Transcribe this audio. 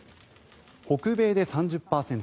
北米で３０％